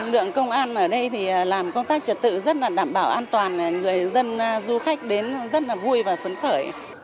lượng công an ở đây thì làm công tác trật tự rất là đảm bảo an toàn người dân du khách đến rất là vui và phấn khởi